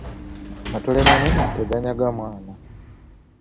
Matole manene, teganyaga mwana.